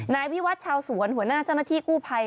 นายวิวัตรชาวสวนหัวหน้าเจ้าหน้าที่กู้ภัย